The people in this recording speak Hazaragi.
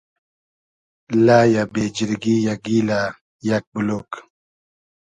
لئیۂ ، بې جیرگی یۂ ، گیلۂ یئگ بولوگ